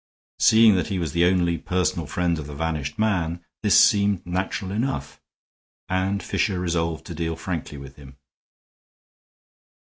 Seeing that he was the only personal friend of the vanished man, this seemed natural enough, and Fisher resolved to deal frankly with him.